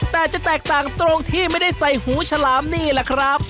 แต่จะแตกต่างตรงที่ไม่ได้ใส่หูฉลามนี่แหละครับ